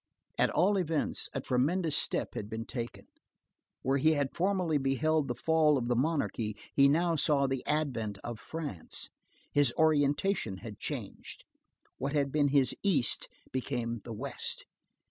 At all events, a tremendous step had been taken. Where he had formerly beheld the fall of the monarchy, he now saw the advent of France. His orientation had changed. What had been his East became the West.